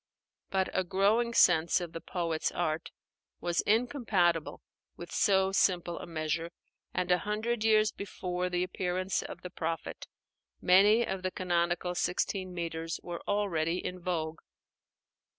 But a growing sense of the poet's art was incompatible with so simple a measure; and a hundred years before the appearance of the Prophet, many of the canonical sixteen metres were already in vogue.